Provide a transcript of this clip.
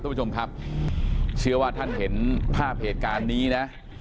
ผู้ชมครับเชื่อว่าท่านเห็นภาพเหตุการณ์นี้นะ